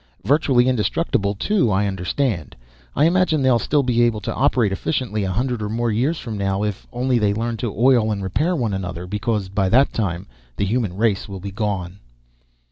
Virtually indestructible, too, I understand. I imagine they'll still be able to operate efficiently a hundred or more years from now if only they learn to oil and repair one another. Because by that time, the human race will be gone."